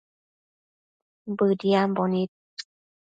Bëdiambo nid